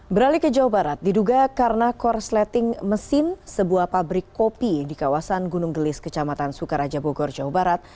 beralih ke jawa barat diduga karena korsleting mesin sebuah pabrik kopi di kawasan gunung gelis kecamatan sukaraja bogor jawa barat